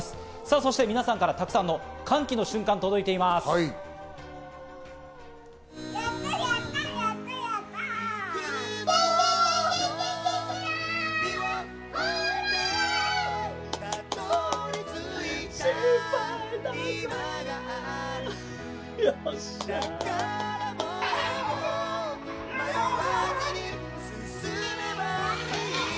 そして皆さんからのたくさんの歓喜の瞬間が届いています、ご覧ください。